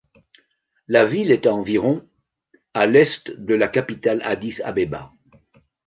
La ville est à environ à l'est de la capitale Addis-Abeba.